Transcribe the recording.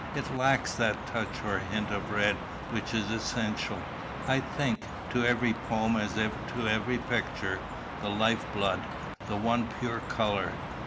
It lacks that touch or hint of red which is as essential, I think, to every poem as to every picture the life blood the one pure colour.